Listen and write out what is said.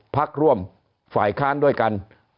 พักร่วมฝ่ายค้านด้วยกัน